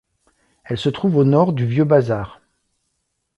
Elle se trouve au nord du vieux bazar.